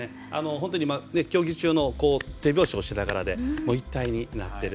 本当に競技中も手拍子をしながら一体になっている。